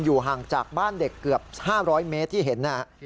ห่างจากบ้านเด็กเกือบ๕๐๐เมตรที่เห็น